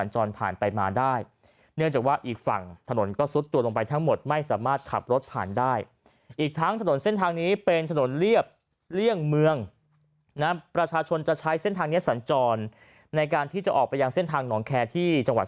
จะใช้เส้นทางเนี้ยสันจรในการที่จะออกไปยังเส้นทางหนองแคที่จังหวัด